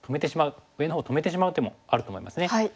上のほう止めてしまう手もあると思いますね。